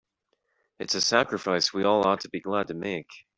It's a sacrifice we all ought to be glad to make.